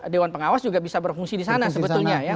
dewan pengawas juga bisa berfungsi di sana sebetulnya ya